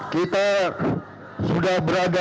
kita sudah berada